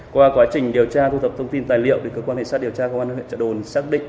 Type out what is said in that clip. qua quá trình điều tra thu thập thông tin tài liệu cơ quan hệ sát điều tra công an huyện trợ đồn xác định